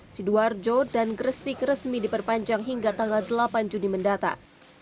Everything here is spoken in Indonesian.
sidoarjo dan gresik resmi diperpanjang hingga tanggal delapan juni mendatang